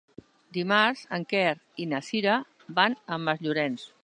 Dimarts en Quer i na Sira van a Masllorenç.